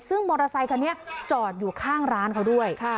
ซึ่งมอเตอร์ไซคันนี้จอดอยู่ข้างร้านเขาด้วย